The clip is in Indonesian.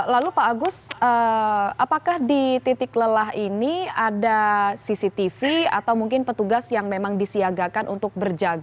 lalu pak agus apakah di titik lelah ini ada cctv atau mungkin petugas yang memang disiagakan untuk berjaga